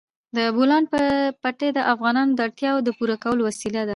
د بولان پټي د افغانانو د اړتیاوو د پوره کولو وسیله ده.